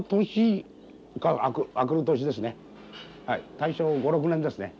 大正５６年ですね。